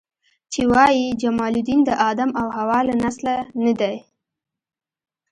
چې وایي جمال الدین د آدم او حوا له نسله نه دی.